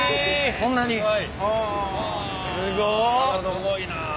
すごいな！